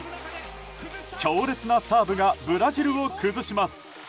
強烈なサーブがブラジルを崩します。